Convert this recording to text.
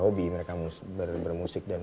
hobi mereka ber ber musik dan